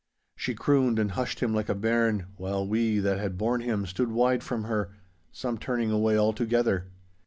She crooned and hushed him like a bairn, while we that had borne him stood wide from her, some turning away altogether.